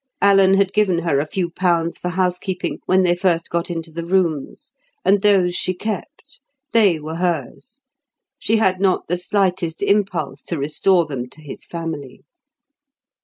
Alan had given her a few pounds for housekeeping when they first got into the rooms, and those she kept; they were hers; she had not the slightest impulse to restore them to his family.